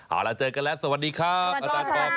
เอาล่ะเจอกันแล้วสวัสดีครับอาจารย์ครับ